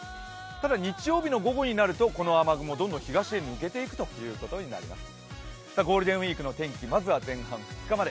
ただ、日曜日の午後になるとこの雨雲、どんどん東へ抜けていくということになります。